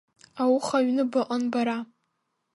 Ауха аҩны быҟан бара.